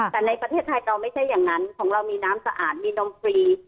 แต่ในประเทศไทยเราไม่ใช่อย่างนั้นของเรามีน้ำสะอาดมีนมฟรี